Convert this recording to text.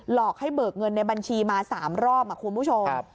อกให้เบิกเงินในบัญชีมา๓รอบคุณผู้ชม